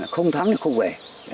không thắng thì không về